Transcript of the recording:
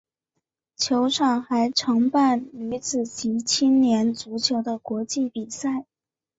球场还承办女子及青年足球的国际比赛。